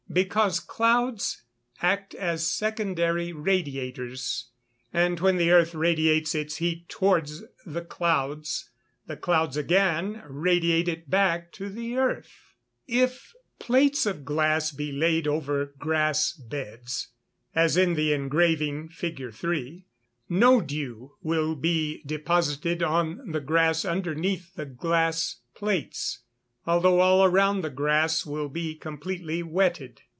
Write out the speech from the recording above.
_ Because clouds act as secondary radiators; and when the earth radiates its heat towards the clouds, the clouds again radiate it back to the earth. [Illustration: Fig. 3. ILLUSTRATING THE FORMATION OF DEW.] If plates of glass be laid over grass beds, as in the engraving Fig. 3, no dew will be deposited on the grass underneath the glass plates, although all around the grass will be completely wetted.